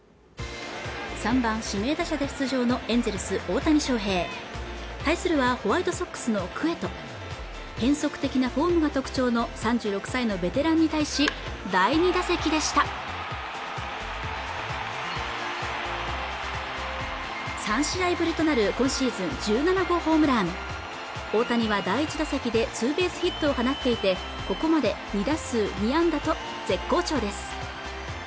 ３番・指名打者で出場のエンゼルス・大谷翔平対するはホワイトソックスのクエト変則的なフォームが特徴の３６歳のベテランに対し第２打席でした３試合ぶりとなる今シーズン１７号ホームラン大谷は第１打席でツーベースヒットを放っていてここまで２打数２安打と絶好調です